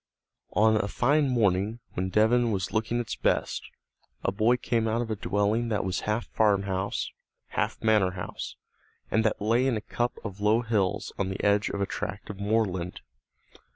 On a fine morning when Devon was looking its best, a boy came out of a dwelling that was half farmhouse, half manor house, and that lay in a cup of low hills on the edge of a tract of moorland.